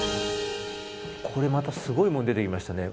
これまたすごいもの出てきましたね。